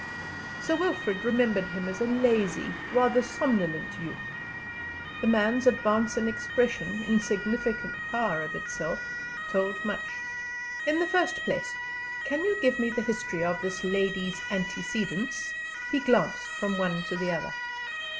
Sir Wilfrid remembered him as a lazy, rather somnolent youth; the man's advance in expression, in significant power, of itself, told much. "In the first place, can you give me the history of this lady's antecedents?" He glanced from one to the other.